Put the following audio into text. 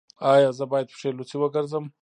ایا زه باید پښې لوڅې وګرځم؟